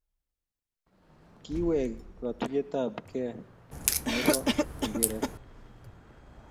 Kiwek katuyet ab kee nebo mpiret